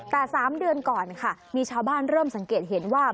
แต่๓เดือนก่อนค่ะมีชาวบ้านเริ่มสังเกตเห็นว่า